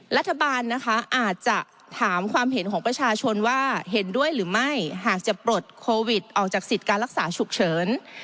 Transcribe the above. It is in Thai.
รัฐบาลนะคะอาจจะถามความเห็นของประชาชนว่าเห็นด้วยหรือไม่หากจะปลดโควิดออกจากสิทธิ์การรักษาฉุกเฉิน